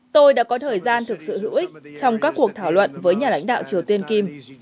tôi đã có thời gian thực sự hữu ích trong các cuộc thảo luận với nhà lãnh đạo triều tiên kim